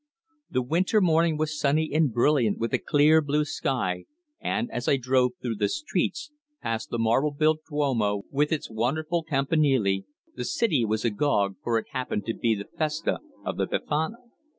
The winter morning was sunny and brilliant with a clear blue sky, and as I drove through the streets, past the marble built Duomo with its wonderful campanile, the city was agog, for it happened to be the Festa of the Befana.